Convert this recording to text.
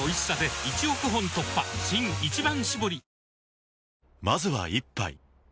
新「一番搾り」